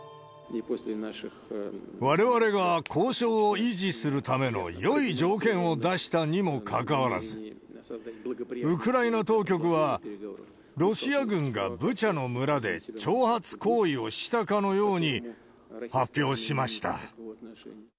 われわれが交渉を維持するためのよい条件を出したにもかかわらず、ウクライナ当局は、ロシア軍がブチャの村で挑発行為をしたかのように発表しました。